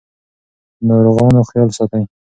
د ناروغانو خیال ساتئ.